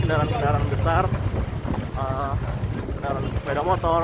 kendaraan kendaraan besar kendaraan sepeda motor